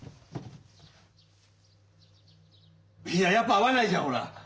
いややっぱ合わないじゃんほら。